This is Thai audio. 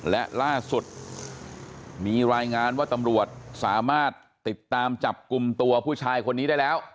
และล่าสุดมีรายงานว่าตำรวจสามารถติดตามจับกลุ่มตัวผู้ชายคนนี้ได้แล้ว